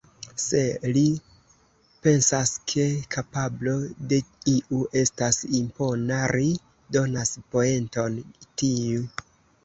Se ri pensas ke kapablo de iu estas impona, ri donas poenton tiu.